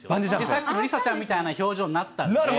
さっきの梨紗ちゃんみたいな表情になったんですね。